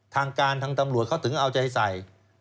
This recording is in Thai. ทางการทางตำรวจเขาถึงเอาใจใส่